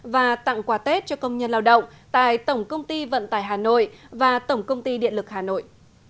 và tặng quà tết cho công nhân lao động tại tổng công ty vận tải hà nội và tổng công ty điện lực hà nội